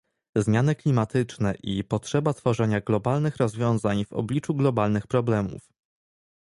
zmiany klimatyczne i potrzeba tworzenia globalnych rozwiązań w obliczu globalnych problemów